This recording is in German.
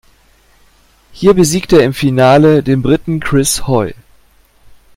Hier besiegte er im Finale den Briten Chris Hoy.